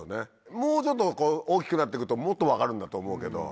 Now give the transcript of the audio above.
もうちょっと大きくなって来るともっと分かるんだと思うけど。